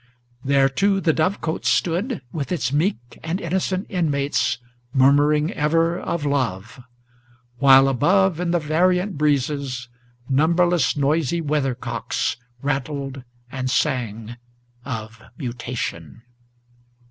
There too the dove cot stood, with its meek and innocent inmates Murmuring ever of love; while above in the variant breezes Numberless noisy weathercocks rattled and sang of mutation.